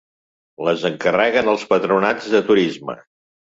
Les encarreguen els patronats de turisme!